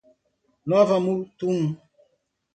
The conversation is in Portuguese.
Nova Mutum